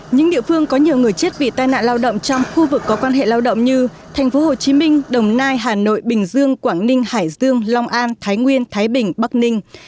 những địa phương có nhiều người chết vì tai nạn lao động trong khu vực có quan hệ lao động như thành phố hồ chí minh đồng nai hà nội bình dương quảng ninh hải dương long an thái nguyên thái bình bắc ninh